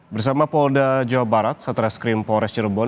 bersama polda jawa barat satreskrim polres cirebon